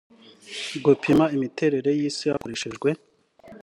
gupima imiterere y isi hakoreshejwe